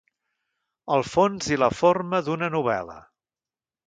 El fons i la forma d'una novel·la.